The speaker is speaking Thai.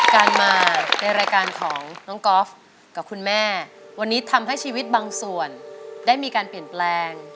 การมาในรายการของน้องกอล์ฟกับคุณแม่วันนี้ทำให้ชีวิตบางส่วนได้มีการเปลี่ยนแปลง